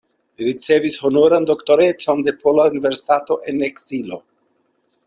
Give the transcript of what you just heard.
Li ricevis honoran doktorecon de Pola Universitato en Ekzilo.